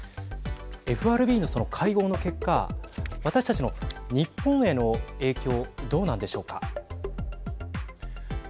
ＦＲＢのその会合の結果私たちの日本への影響どうなんでしょうか。